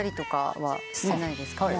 はい。